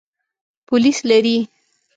پولیس لري.